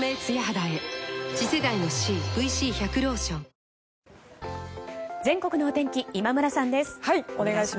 三井不動産全国のお天気今村さんです。